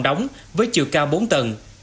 đóng với chiều cao bốn tầng